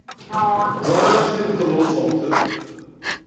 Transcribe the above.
Ẓriɣ ad tilimt telluẓemt.